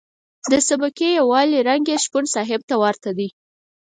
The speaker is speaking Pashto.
د سبکي یوالي رنګ یې شپون صاحب ته ورته دی.